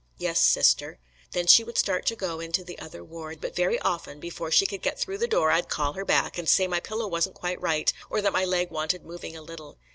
'Yes, Sister.' Then she would start to go into the other ward, but very often before she could get through the door I'd call her back and say my pillow wasn't quite right, or that my leg wanted moving a little.